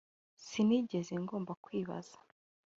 sinigeze ngomba kwibaza